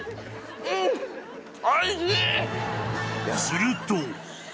［すると］